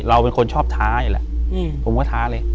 เราเป็นคนชอบท้าอยู่แหละผมก็ท้าเลย